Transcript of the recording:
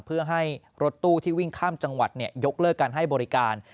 เพื่อให้รถตู้ที่วิ่งข้ามจังหวัดยกเลิกการให้บริการ